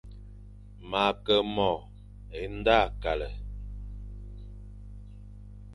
Ma Ke mo e nda kale,